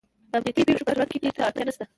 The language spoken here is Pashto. د امنیتي پېښو په صورت کې دې ته اړتیا نشته.